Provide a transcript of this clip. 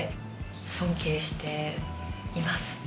尊敬しています。